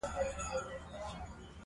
زه یوه لپه اوبه غواړمه